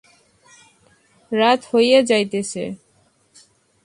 রাত হইয়া যাইতেছে।